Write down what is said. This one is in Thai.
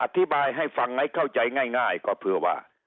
อธิบายให้ฟังให้เข้าใจง่ายก็เพื่อว่า